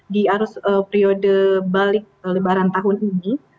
di arus periode balik lebaran tahun ini